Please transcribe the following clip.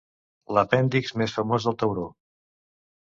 L'apèndix més famós del tauró.